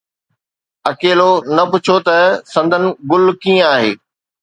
اڪيلو، نه پڇو ته سندن گل ڪيئن آهي